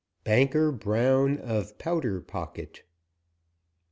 BANKER BROWN OF POWDER POCKET.